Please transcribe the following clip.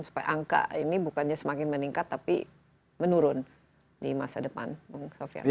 supaya angka ini bukannya semakin meningkat tapi menurun di masa depan bung sofian